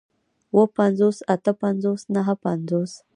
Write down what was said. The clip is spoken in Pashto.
اووه پنځوس اتۀ پنځوس نهه پنځوس